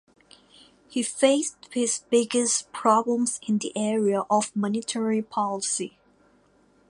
He faced his biggest problems in the area of monetary policy.